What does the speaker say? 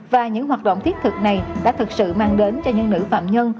và những hoạt động thiết thực này đã thực sự mang đến cho những nữ phạm nhân